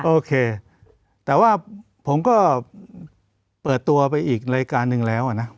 โอเคแต่ว่าผมก็เปิดตัวไปอีกรายการหนึ่งแล้วนะ